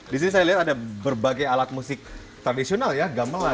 di sini saya lihat ada berbagai alat musik tradisional ya gamelan